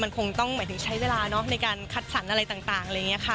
มันคงต้องใช้เวลาในการคัดสรรอะไรต่างอะไรอย่างนี้ค่ะ